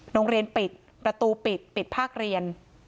โรงเรียนปิดประตูปิดปิดภาคเรียน